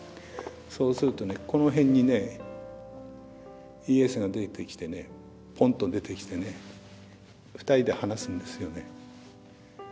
そうするとねこの辺にねイエスが出てきてねポンと出てきてね２人で話すんですよね。